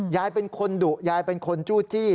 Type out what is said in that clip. ยายเป็นคนดุยายเป็นคนจู้จี้